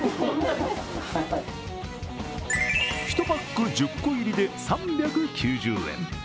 １パック１０個入りで３９０円。